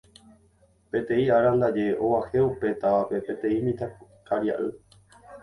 Peteĩ ára ndaje og̃uahẽ upe távape peteĩ mitãkaria'y